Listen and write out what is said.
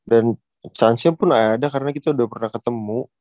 dan chance nya pun ada karena kita udah pernah ketemu